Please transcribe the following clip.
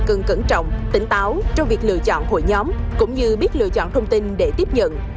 cần cẩn trọng tỉnh táo trong việc lựa chọn hội nhóm cũng như biết lựa chọn thông tin để tiếp nhận